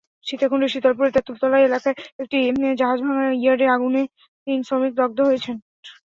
সীতাকুণ্ডের শীতলপুরে তেঁতুলতলা এলাকায় একটি জাহাজভাঙা ইয়ার্ডে আগুনে তিন শ্রমিক দগ্ধ হয়েছেন।